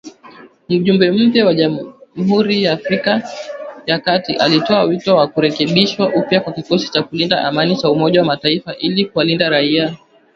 Mjumbe mpya wa Jamhuri ya Afrika ya kati alitoa wito wa kurekebishwa upya kwa kikosi cha kulinda amani cha Umoja wa Mataifa ili kuwalinda raia